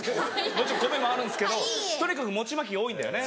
もちろん米もあるんですけどとにかく餅まきが多いんだよね。